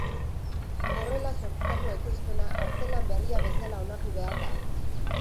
Horrela sortutako ekoizpena arte-lan berria bezala onartu behar da.